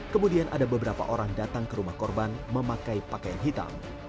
kemudian ada beberapa orang datang ke rumah korban memakai pakaian hitam